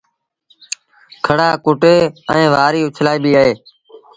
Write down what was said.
کڙآ ڪُٽي ائيٚݩ وآريٚ اُڇلآئيٚبيٚ اهي